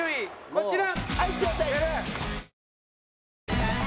こちら。